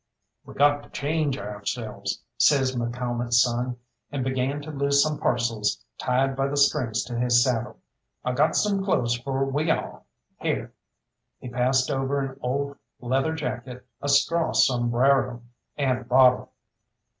"We got to change ourselves," says McCalmont's son, and began to loose some parcels tied by the strings to his saddle. "I got some clothes for we all. Here," he passed over an old leather jacket, a straw sombrero, and a bottle.